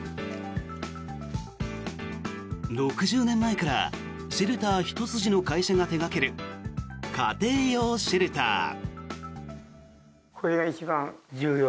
６０年前からシェルターひと筋の会社が手掛ける家庭用シェルター。